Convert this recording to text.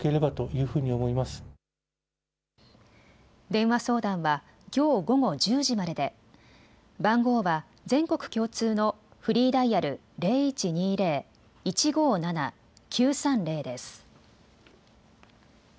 電話相談はきょう午後１０時までで番号は全国共通共通のフリーダイヤル０１２０−１５７−９３０です。